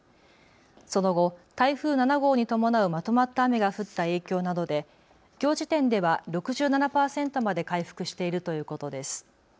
その後、台風７号に伴うまとまった雨が降った影響などできょう時点では６７％まで回復しているということです。